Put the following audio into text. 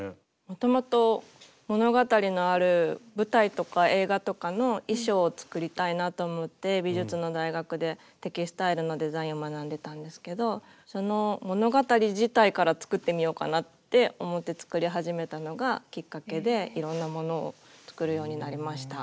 もともと物語のある舞台とか映画とかの衣装を作りたいなと思って美術の大学でテキスタイルのデザインを学んでたんですけどその物語自体から作ってみようかなって思って作り始めたのがきっかけでいろんなものを作るようになりました。